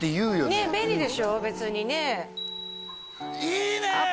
ねっ便利でしょ別にねいいね！